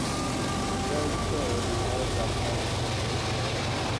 উদয়াদিত্য ও বিভার যাত্রার উদ্যোগ হইতে লাগিল।